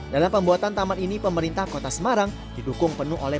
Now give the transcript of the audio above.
dalam pembuatan taman ini pemerintah kota semarang didukung penuh oleh